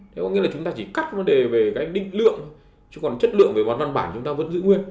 thế có nghĩa là chúng ta chỉ cắt vấn đề về cái định lượng chứ còn chất lượng về mặt văn bản chúng ta vẫn giữ nguyên